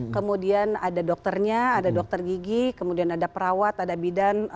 kemudian ada dokternya ada dokter gigi kemudian ada perawat ada bidan